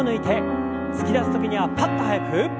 突き出す時にはパッと早く。